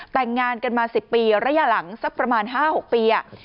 แต่งงานกันมา๑๐ปีระยะหลังสักประมาณ๕๖ปี